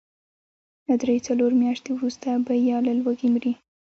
درې، څلور مياشتې وروسته به يا له لوږې مري.